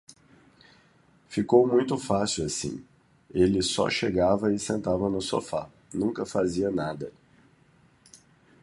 Ficou muito fácil assim, ele só chegava e sentava no sofá, nunca fazia nada.